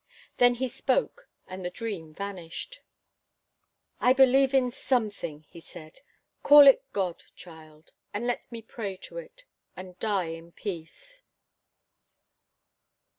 Then he spoke, and the dream vanished. "I believe in Something," he said. "Call it God, child, and let me pray to It, and die in peace."